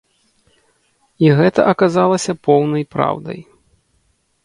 І гэта аказалася поўнай праўдай.